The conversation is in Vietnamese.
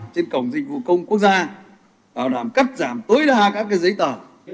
trên cổng dịch vụ công quốc gia và làm cắt giảm tối đa các cái giấy tờ